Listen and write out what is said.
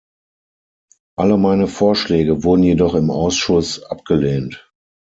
Alle meine Vorschläge wurden jedoch im Ausschuss abgelehnt.